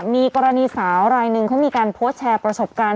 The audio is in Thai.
มีกรณีสาวรายหนึ่งเขามีการโพสต์แชร์ประสบการณ์